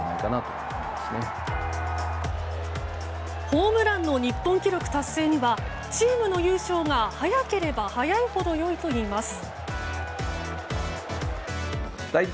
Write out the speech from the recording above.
ホームランの日本記録達成にはチームの優勝が早ければ早い程良いといいます。